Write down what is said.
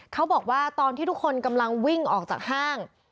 เขาบอกว่าตอนที่ทุกคนกำลังวิ่งออกจากห้าง